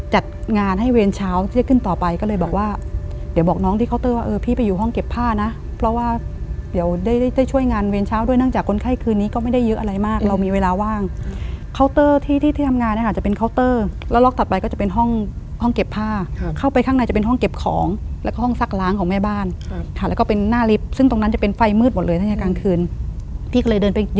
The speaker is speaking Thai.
จัดผ้านะเพราะว่าเดี๋ยวได้ช่วยงานเวียนเช้าด้วยเนื่องจากคนไข้คืนนี้ก็ไม่ได้เยอะอะไรมากเรามีเวลาว่างเคาน์เตอร์ที่ทำงานอาจจะเป็นเคาน์เตอร์แล้วรอบต่อไปก็จะเป็นห้องเก็บผ้าเข้าไปข้างในจะเป็นห้องเก็บของแล้วก็ห้องซักล้างของแม่บ้านค่ะแล้วก็เป็นหน้าลิฟท์ซึ่งตรงนั้นจะเป็นไฟมืดหมดเลยในกลางคื